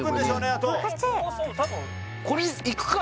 あとこれいくか！